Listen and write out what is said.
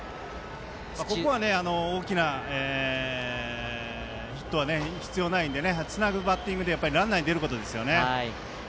ここは大きなヒットは必要ないのでつなぐバッティングでランナーに出ることですね。